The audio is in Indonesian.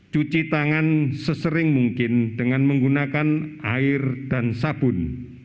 cuci tangan sesering mungkin dengan menggunakan air dan sabun